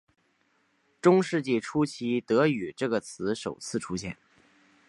中世纪初期德语这个词首次出现。